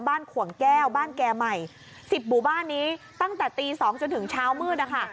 ขวงแก้วบ้านแก่ใหม่๑๐หมู่บ้านนี้ตั้งแต่ตี๒จนถึงเช้ามืดนะคะ